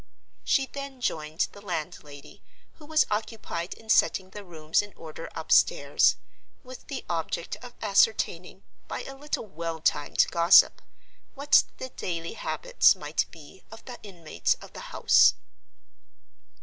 She then joined the landlady—who was occupied in setting the rooms in order upstairs—with the object of ascertaining, by a little well timed gossip, what the daily habits might be of the inmates of the house.